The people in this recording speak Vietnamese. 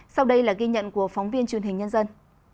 sau đây là ghi nhận của phóng viên truyền hình nhân dân